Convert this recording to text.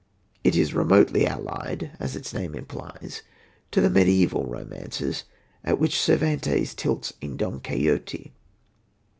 It is remotely allied, as its name implies, to the mediaeval romances, at which Cervantes tilts in Don Quixote.